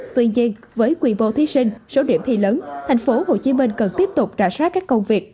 tuy nhiên với quy mô thí sinh số điểm thi lớn thành phố hồ chí minh cần tiếp tục trả sát các công việc